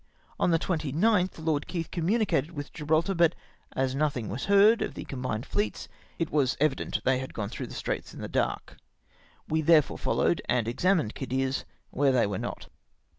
On the 29th Lord ■ Keith communicated with Gibraltar, but as nothing was heard of the combined fleets, it was evident they had gone through the Straits in the dark ; we therefore fol lowed and examined Cadiz, where they were not.